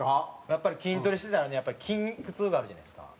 やっぱり筋トレしてたらね筋肉痛があるじゃないですか。